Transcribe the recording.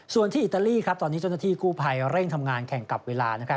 ส่วนที่อิตาลีตอนนี้เจ้าหน้าที่กู้ภัยเร่งทำงานแข่งกับเวลา